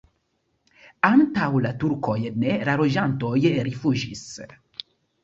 Antaŭ la turkojn la loĝantoj rifuĝis.